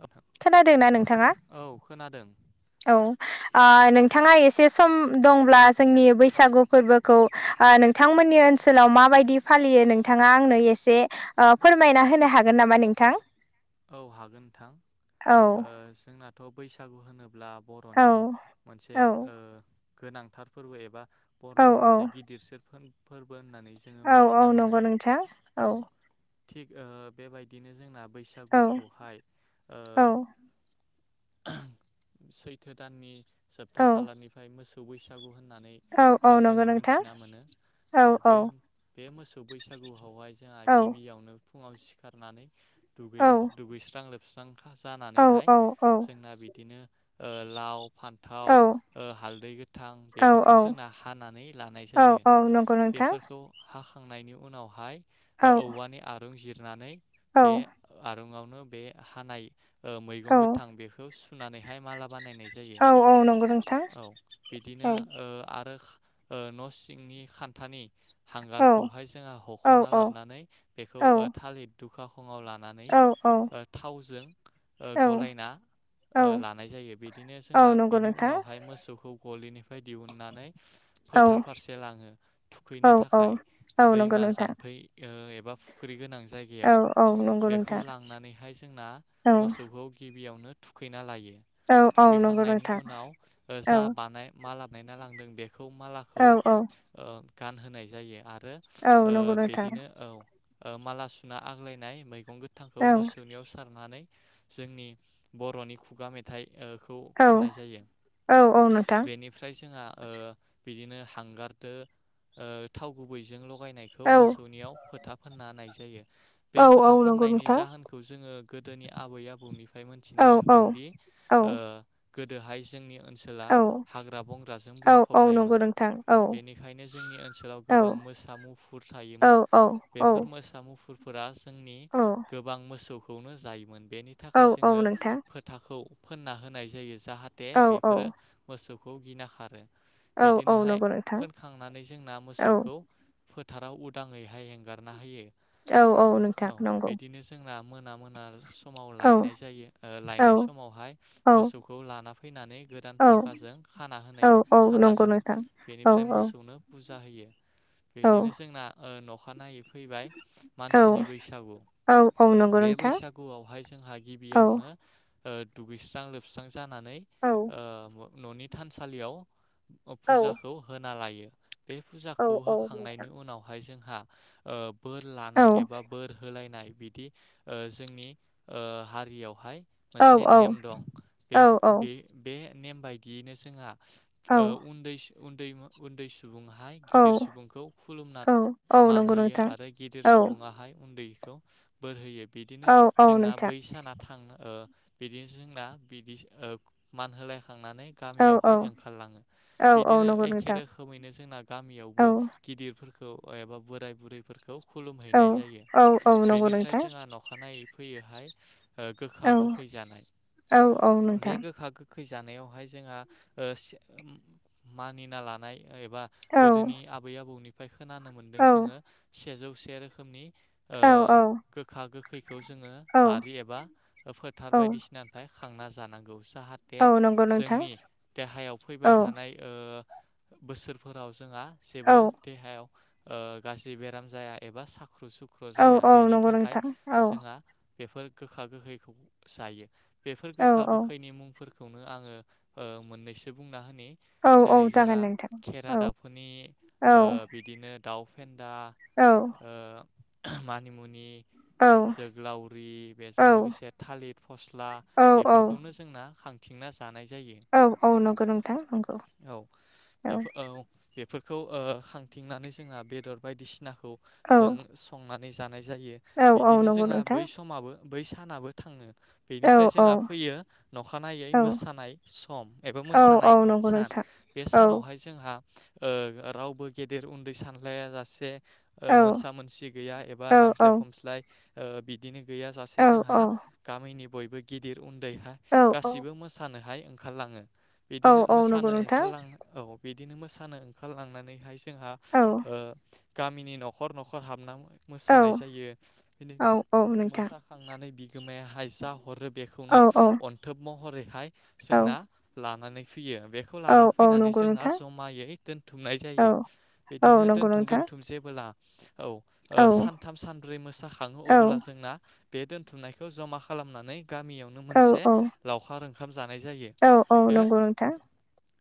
नोंथां खोनादोना नोंथाङा? औ खोनादों औ आ नोंथाङा एसे सम दंब्ला जोंनि बैसागु फोरबोखौ ओ नोंथांमोननि ओनसोलाव माबायदि फालियो नोंथाङा आंनो एसे ओ फोरमायना होनो हागोन नामा नोंथां? औ हागोन नोंथां औ ओ जोंनाथ' बैसागु होनोब्ला औ बर'नि मोनसे औ ओ गोनांथार फोरबो एबा औ बर'नि औ मोनसे गिदिर सोर फोर फोरबो होननानै जोङो औ औ मोनथिना मोनो नंगौ नोंथां औ। थिग ओ बेबायदिनो जोंना औ बैसागुखौहाय ओ औ [unintelligible] सैथो दाननि जोबथा औ खालारनिफ्राय मोसौ बैसागु होन नानै औ औ नंगौ जोङो ओ नोंथां मोनथिना मोनो औ बे बे मोसौ बैसागु [unintelligible] खौहाय जोंहा औ गिबियावनो फुङाव सिखारनानै औ दुगैला दुगैस्रां लोबस खा औ जानानैहाय औ औ जोंना बिदिनो ओ लाव फान्थाव ओ हालदै गोथां बेफोरखौ औ जोंना हानानै लानाय औ जायो। औ नंगौ नोंथां बेफोरखौ हाखांनायनि उनावहाय औ ओ औवानि आरुं जिरनानै औ। बे आरुंआवनो बे हानाय ओ मैगं औ गोथां बेखौ सुनानै हाय माला बानायनाय जायो औ औ नंगौ नोंथां औ बिदिनो औ ओ आरो खा ओ न' सिंनि खान्थानि औ हांगारखौहाय जोङो औ हख'ना लाबनानै बेखौ औ थालिद ओ दुखा खङाव ला [unintelligible] नानै औ ओ थावजों ओ औ गलायना ओ औ लानाय जायो बिदिनो जोंहा औ नंगौ बेनि नोंथां उनावहाय मोसौखौ गलिनिफाय दिहुननानै औ फोथार फारसे लाङो थुखैनो औ औ थाखाय औ नंगौ दैमा नोंथां जाम्फै ओ एब बा फुख्रि गोनां ज औ औ नं बेखौ लांनानैहाय जोंना मोसौखौ गिबियावनो थुखैना लायो। औ औ नंगौ थुखैखांनायनि नोंथां उनाव ओ औ जा बानाय माला बानायना लांदों बेख खौ औ मालाखौ औ ओ गानहोनाय जायो आरो औ ओ नंगौ नोंथां बिदिनो औ। ओ माला सुना आग्लायनाय मैगं गोदथांखौ औ मोसौनियाव सारनानै जोंनि बर'नि खुगा मेथाइ ओ खौ औ खननाय जायो औ औ नोंथां बेनिफ्राय जोंहा ओ बिदिनो हांगारदो ओ थाव गुबैजोंल' लगायनायखौ औ मोसौनियाव फोथा फोनना होनाय जायो बे औ फोथा नंगौ फोननायनि नोंथां जाहोनखौ जोङो गोदोनि आबै आबौनिफ्राय मोनथिना औ औ मोन्दों दि औ ओ गोदोहाय जोंनि ओनसोला हाग्रा बंग्राजों औ नंगौ बुंफबनायमोन नोंथां औ बेनिखायनो जोंनि ओनसोलाव गोबां मोसा मुफुर थायोमोन औ औ औ बेफोर मोसा मुुफुर फोरा जोंनि औ गोबां मोसौखौनो जायोमोन। बेनि औ थाखाय जोङो नोंथां फोथाखौ फोनना होनाय जायो औ जाहाथे बेफोरो मोसौ खौ गिना खारो औ नंगौ बिदिनोहाय नोंथां फोनखांनानै जोंना औ मोसौखौ फोथाराव उदाङैहाय एंगारना होयो। औ औ नोंथां नंगौ। बिदिनो जोंना मोना मोना समाव औ लायनाय जायो ओ लायनाय औ समावहाय औ मोसौखौ लाना फैनानै गोदान औ फाखाजों खाना औ होनाय औ खाना नंगौ दोनो नोंथां औ बेनिफ्राय औ मोसौनो बुज [unintelligible] जा होयो औ बिदिनो जोंना ओ नखानायनायै फैबाय औ [unintelligible] नि बैसागु औ औ नंगौ बे नोंथां बैसागुआवहाय जोंहा औ गिबियावनो ओ दुगैस्रां लोबस्रां जानानै औ ओ [unintelligible] न'नि थानसालियाव औ फुजाखौ होना लायो बे औ फुजाखौ औ नोंथां होखांनायनि उनावहाय जों हा औ एबा बोर होलायनाय बिदि जोंनि हारियावहाय औ मोनसे नेम दं बे औ बे नेम बायदियैनो जोंहा औ उन्द उन्द उन्दै सुबुंहाय गिदिर सुबुंखौ औ खुलुमनानै औ मान नंगौ होयो नोंथां आरो गिदिर औ सुबुाहाय उन्दै खौ बोर होयो बिदिनो औ औ जोंना नोंथां बै साना थां बिदिनोस जोंना बिदि मान होलाय थांनानै औ गामियावहाय औ ओंखारलाङो औ औ बिदिनो नंगौ एखे नोंथां रोखोमैनो जोंना औ गामियावबो गिदिरफोरखौ एबा बोराय बुरैफोरखौ औ खुलुमहैनाय जायो औ औ नंगौ बेनिफ्राय नोंथां जोंहा अखानायै फैयोहाय गोखा औ गोखै जानाय औ औ बे नोंथां गोखा गोखै खैजानायावहाय जोंहा मानिना लानाय एबा औ गोदोनि आबै आबौनिफ्राय खोनानो मोनदों औ जोङो सेजौ से रोखोमनि औ गोखा गोखैखौ जोङो बारि औ एबा फोथार बायदिसिनानिफ्राय खांना जानांगौ जाहाथे औ नंगौ नोंथां जोंनि देहायाव फैबाय औ थानाय बोसोरफोराव जोंहा औ जेबो देहायाव गाज्रि बेराम जाया एबा साख्रु सुख्रु औ जाया औ बेनि नंगौ थाखाय नोंथां औ जोंहा बेफोर गोखा गोखैखौ जायो बेफोर औ गोखा औ गोखैनि मुंफोरखौ खौनो आङो मोननैसो बुं होन औ औ जेरै जागोन जोंहा नोंथां खेरा औ दााबफोरनि औ बिदिनो दाउ फेन्दा औ ओ मानिमुनि औ जोग्लावरि बेजों लोगोसे थालिर फस्ला औ बेफोरखौनो जोंना खां औ औ नंगौ नोंथां नंगौ औ फोरखौ खांथिंनानै जोंहा बेदर बायदिसिनाखौ औ जों संनानै जानाय जायो औ औ बिदिनो नंगौ जोंहा नोंथां बै समाबो बै सानाबो थाङो औ बेनिफ्राय औ जोंहा फैयो अखानायै औ मोसानाय सम एबा औ मोसानाय औ नंगौ सान नोंथां बे औ सानावहाय जोंहा रावबो गेदेर उन्दै सानलायाज जासे औ मोनसा मोनसि गैया एबा औ औ नांज्लाय खमस्लाय बिदिनो गैयाजासे औ औ जोंहा गामिनि बयबो गिदिर उन्दैहाय गासिबो मोसानोहाय ओंखारलाो औ बिदिनो औ नंगौ नोंथां औ बिदिनो मोसानो ओंखारलांनानैह जोंहा औ गामिनि न'खर न'खर हाबन औ मोसानाय जायो बि औ औ नोंथां मोसाखांनानै बिगोमाया हायजा हरो औ बेखौनो औ अन्थोब महरैहाय जोंना लानानै फैयो बेखौ औ लाना औ फैनानै नंगौ जोंना नोंथां जमायै दोनथुमनाय जायो औ औ बिदिनो नंगौ दोनथुम नोंथां दोनथुम खसेबोला औ सानथाम सानब्रै मोसााखङो औ अब्ला जोंना बे दोनथुमनायखौ जमा खालामनानै गामियावनो मोनसे औ लावखार ओंखाम जानाय ज औ औ नंगौ नोंथां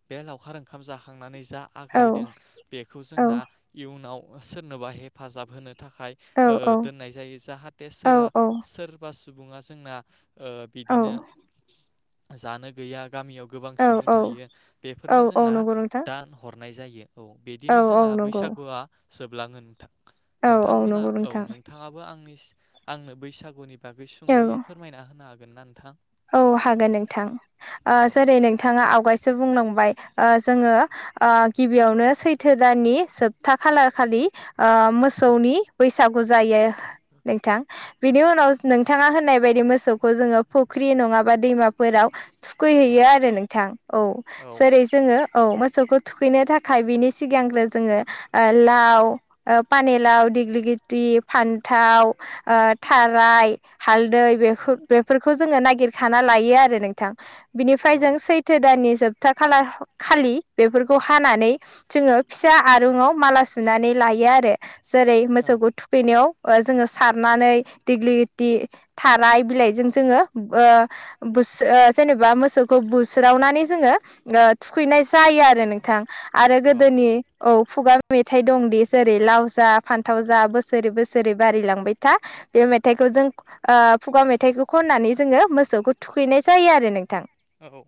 बे लावखार ओंखाम जाखांनानै जा औ आग्लायदों बेखौ औ जोंना इयुनाव सोर सोरनोबा हेफाजाब होनो थाखाय औ दोननाय जायो जाहाथे सोरबा सोरबा सुबुंङा जोंना ओ बिदिनो जानो गैया। गामियाव गोबां औ सुबुं औ थायो। बेफोरनो औ औ जोंना नंगौ नोंथां दान हरनाय जायो। औ औ बिदिनो औ जोंना नंगौ बैसागुआ जोबलाङो नोंथां। औ औ नोंथांमोना नंगौ औ नोंथां नोंथाङाबो आंनि आंनो बैसागुनि बागै सुंद'यै औ फोरमायना होनो हागोन ना नोंथां? औ हागोन नोंथां। ओ औ जेरै नोंथाङा आवगायसो बुंलांबाय ओ जोङो गिबियावनो सैथो दाननि जोबथा खालार खालि ओ मोसौनि बैसागु जायो नोंथां। बिनि उनाव नोंथाङा होननाय बायदि मोसौखो जोङो फु‌ फुख्रि नङाबा दैमाफोराव औ थुखैहैयो आरो नोंथां। औ जेरै जोङो औ मोसौखौ थुखैनो थाखाय बिनि सिगांग्रो जोङो ओ लाव ओ पानि लाव दिगलिगिथि फान्थाव ओ थाराय हालदै बेफो-बेफोरखौ जोङो नागिरखाना लायो आरो नोंथां। बिनिफ्राय औ जों सैथो दाननि जोबथा खालार खालि बेफोरखौ हानानै जोङो फिसा आरुङाव माला सुनानै लायो आरो जेरै औ मोसौखौ थुखैनायाव ओ जोङो सारनानै देगलिथि थाराय बिलाइ जों जोङो ओ बोस ओ जेनेबा मोसौखौ बुस्रावनानै जोङो ओ थुखैनाय जायो आरो नोंथां आरो औ गोदोनि औ खुगा मेथाइ दंदि जेरै लाव जा फान्थाव जा बोसोरे बोसोरे बारिलांबाय था बे मेथाइखौ जों ओ खुगा मेथाइखौ खननानै जोङो मोसौखौ थुखैनाय जायो आरो नोंथां। औ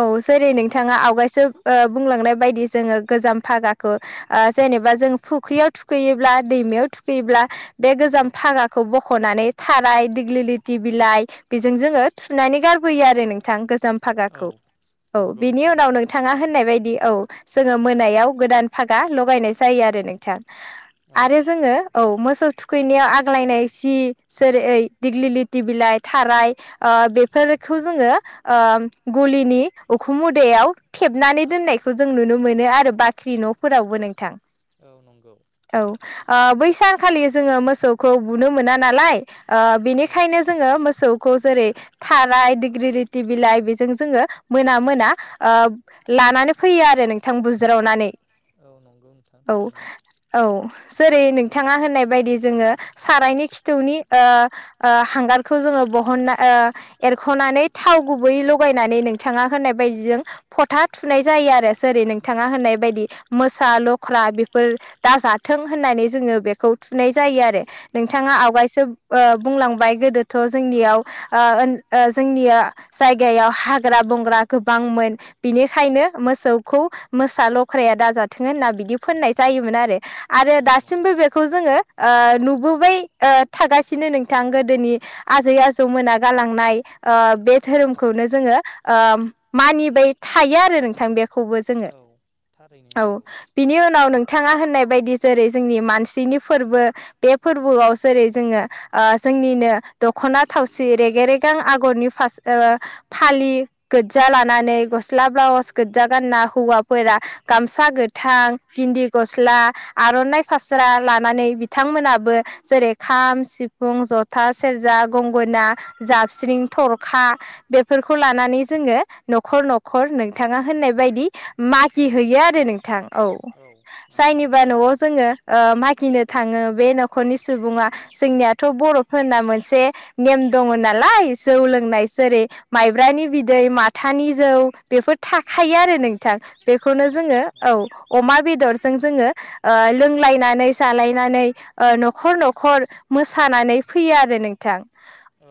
औ जेरै नंगौ नोंथाङा आवगायसो ओ बुंलांनाय बायदि जोङो गोजाम फागाखौ ओ जेनेबा जों फुख्रियाव थुखैयोब्ला दै मायाव थुखैयोब्ला बे गोजाम औ फागाखौ बख'नानै थाराय दिगलिलिथ थि बिलाइ बेजों जोङो थुनानै गारबोयो आरो नोंथां गोज जाम औ फागाखौ औ नंगौ बिनि नोंथां उनाव नोंथाङा होननाय बायदि औ जोङो मोनायाव गोदान फागा लगायनाय जायो आरो नोंथां। औ आरो जोङो औ मोसौ थुखैनायाव आग्लायनाय सि जेरै ओ दिगलिलिथ थि बिलाइ थाराय ओ बेफोरखौ जोङो ओ गलिनि उखुम मुदायाव याव थेबनानै दोननायखौ जों नुनो मोनो आरो बाख्रि न'फोरावबो नोंथां। औ नंगौ। औ ओ बै सानखालि जोङो मोसौखौ बुनो मोना नालाय ओ बेनि औ बेखायनो जोङो मोसौखौ जेरै थाराय दिग्रिरिथि बिलाइ बेजों जोङो मोना मोना ओ लानानै फैयो आरो नोंथां बुज्रावनानै। औ नंगौ नोंथां औ थारैनो औ। जेरै नोंथाङा होननाय बायदि जोङो सारायनि खिथौनि ओ ओ हांगारखौ जोङो बहनना ओ एरख'नानै थाव गुबै लगायनानै नोंथाङा होननाय बायदिजों फथा थुनाय जायो आरो जेरै औ नोंथाङा होननाय बायदि मोसा लख्रा बेफोर दाजाथों होननानै जोङो बेखौ थुनाय जायो आरो नोंथाङा औ आवगायसो ओ बुंलांबाय गोदोथ' जोंनियाव ओ ओ जोंनिया जायगाया हाग्रा बंग्रा गोबांमोन बिनिखायनो मोसौखौ मोसा लख्राया दाजाथों होनना बिदि फोननाय जा योमोन आरो आरो औ नंगौ दासिमबो बेखौ जोङो ओ नुबोबाय ओ थागासिनो नों थां गोदोनि आजै आजौ मोना गालांनाय ओ बे धोरोमखौनो जोङो ओ मानिबाय थायो आरो नोंथां बे खौबो जोङो औ थारैनो औ नंगौ बिनि उनाव नोंथाङा होननाय बायदि जेरै जोंनि मानसिनि फोर्बो बे फोर्बोआव जेरै जोङो ओ जोंनिनो दख'ना थावसि रेग रेगां आगरनि फास ओ फालि गोज्जा लानानै गस्ला ब्लाउस गोज्जा गानना हौवाफोरा गामसा गोथां गिन दि गस्ला आर'नाइ फास्रा लानानै बिथांमोनाबो जेरै खाम सिफ फुं जथा सेरजा गंगोना जाबस्रिं थरखा बेफोरखौ लानानै जों जोङो न'खर न'खर नोंथाङा होननाय बायदि मागि औ हैयो आरो नोंथां औ नंगौ जायनिबा नोंथां न'आव थार जोङो ओ मागिनो थाङो बे न'खरनि सुबुङा जोंनिया थ' बर'फोरना मोनसे नेम दङ नालाय जौ औ लोंनाय जेरै माइब्रानि बिदै माथानि जौ बेफोर थाखायो आरो नोंथां। बेखौनो औ जोङो औ नंगौ अमा बेदर जों जोङो ओ लोंलायनानै जालायनानै ओ न'खर न'खर मोस सानानै फैयो आरो नोंथां।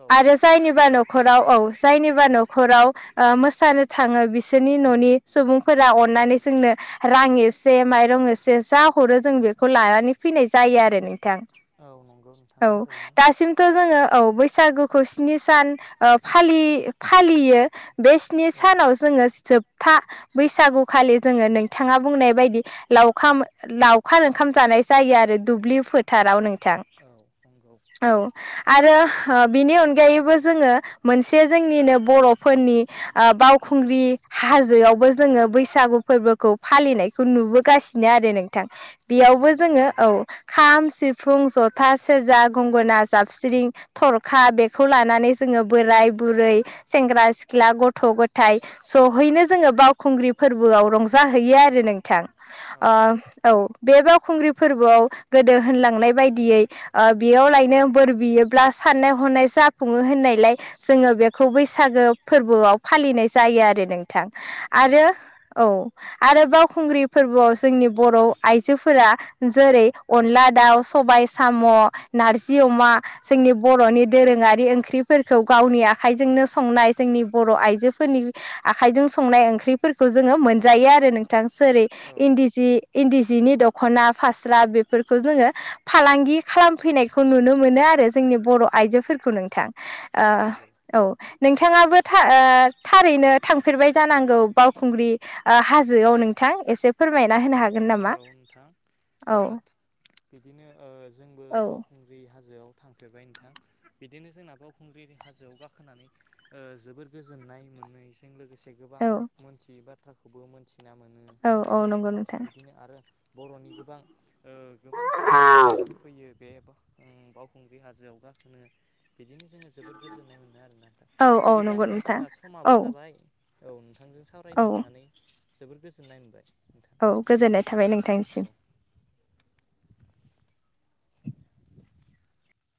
औ आरो जायनिबा न'खराव औ जायनिबा न'खराव मोसानो थाङो बिसोरनि न'नि सुबुंफोरा अननानै जोंनो रां एसे माइरं एसे जा हरो जों बेखौ लानानै फैनाय जायो आरो नोंथां। औ नं औ दासिमथ' जोङो औ बैसागुखौ स्नि सान फा फालि यो बे स्नि औ सानाव जोङो जोबथा बैसागुखालि जोङो नोंथाङा बुंनाय बायदि लाव लावखार ओंखाम जानाय जायो आरो। दुब्लि फोथाराव नोंथां औ नंगौ औ आरो बिनि अनगायैबो जोङो मोनसे जोंनिनो बर'फोरनि बाव खुंग्रि हाजोआवबो जोङो बैसागु फोरबोखौ फालिनायखौ नुबोगासिनो आरो नों थां औ बेयावबो नंगौ जोङो नोंथां औ खाम, सिफुं, जथा, सेरा, गंगोना, जाबस्रि, थरखा बेखौ लानानै जोङो बोराय बुरै सेंग्रा सिख्ला गथ' गथाय सहैनो जोङो बावखुंग्रि फोरबोआव रंजाहैयो आरो नोंथां। औ बे बावखुंग्रि फोरबोआव गोदो होनलांनाय बायदियै बेयावलायनो बोर बियोब्ला साननाय हनाय जाफुङो होननायलाय जोङो बेखौ बैसागो। फोरबोआव फालिनाय जायो आरो नोंथां औ आरो औ आरो बावखुंग्रि फोरबोआव जोंनि बर' आइजोफोरा जेरै अनला दाउ, सबाय साम', नारजि अमा जोंनि बर'नि दोरोङारि ओंख्रिफोरखौ गावनि आखाइजोंनो संनाय जोंनि बर' आइजोफोरनि आखाइजों संनाय ओंख्रिफोरखौ जोङो मोनजायो आरो नोंथां जेरै औ इन्दि सि इन्दि जिनि दख'ना फास्रा बेफोरखौ जोङो फालांगि खालाम। फैनायखौ नुनो मोनो आरो जोंनि बर' आइजोफोरखौ नोंथां औ नंगौ औ नोंथाङाबो थारैनो थांफेरबाय जानांगौ बावखुंग्रि हाजोआव नोंथां एसे फोरमायना होनो हागोन। नामा औ नोंथां औ बिदिनो जोंबो औ बावखुंग्रि हाजो। हाजोआव थांफेरबाय नोंथां बिदिनो जोंना बावउखुंग्रि हाजोआव गाखोनानै जोबोर गोजोन नाय मोननायजों लोगोसे गोबां औ मोनथियै बाथ्राखौबो मोनथि। औ औ नंगौ नोंथां। आरो बर'नि गोबां गोबां सुबुङानो जोंना फैयो बे बावखुंग्रि हाजोआव गाखोनो बिदिनो जोङो जोबद गोजोननाय मोनो आरोना नथां औ औ बिदिब्लाा नंगौ नोंथां जोंना समाबो औ जाबाय औ नोंथां। सावरायनो औ मोननानै जोबोर गोजोननाय मोनबाय। औ गोजोननाय थाबाय नोंथांनिसिम। औ